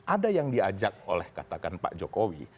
ada yang diajak oleh katakan pak jokowi